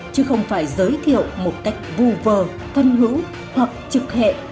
chứ không phải giới thiệu một cách vù vờ phân hữu hoặc trực hệ